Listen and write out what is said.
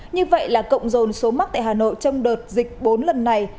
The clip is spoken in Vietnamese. như vậy là cộng dồn số mắc tại hà nội trong đợt dịch bốn lần này